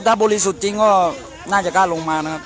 ถ้าบริสุทธิ์จริงก็น่าจะกล้าลงมานะครับ